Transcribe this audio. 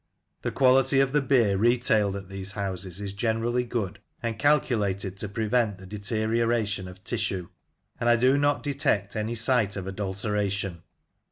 The quality of the beer retailed at these houses is generally good, and calculated to prevent the deterioration of tissue, and I do not detect any sign of adulteration.